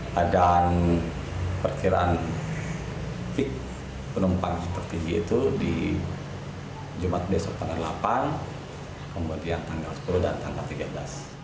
keadaan perkiraan peak penumpang tertinggi itu di jumat besok tanggal delapan kemudian tanggal sepuluh dan tanggal tiga belas